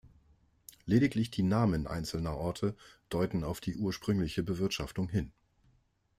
Lediglich die Namen einzelner Orte deuten auf die ursprüngliche Bewirtschaftung hin.